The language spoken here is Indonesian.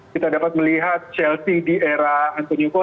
kita dapat melihat chelsea dl